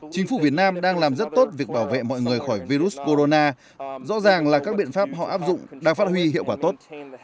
chính phủ việt nam đang làm rất tốt việc bảo vệ mọi người khỏi virus corona rõ ràng là các biện pháp họ áp dụng đang phát huy hiệu quả tốt